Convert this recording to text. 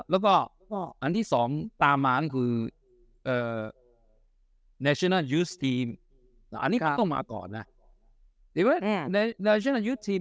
แล้วก็อันที่สองตามมาอันคือเอ่อทีมอันนี้ต้องมาก่อนน่ะทีม